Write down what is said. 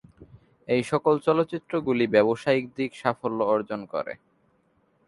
এই সকল চলচ্চিত্রগুলি ব্যবসায়িক দিক সাফল্য অর্জন করে।